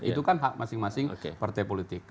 itu kan hak masing masing partai politik